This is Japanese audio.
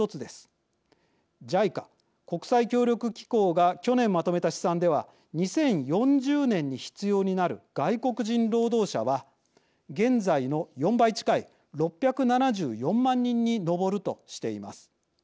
ＪＩＣＡ国際協力機構が去年まとめた試算では２０４０年に必要になる外国人労働者は現在の４倍近い６７４万人に上るとしています。